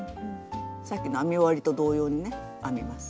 さっきの編み終わりと同様にね編みます。